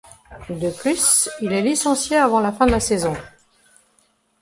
De plus, il est licencié avant la fin de la saison.